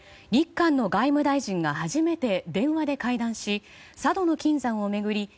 日韓の外務大臣が初めて電話で会談し佐渡島の金山を巡り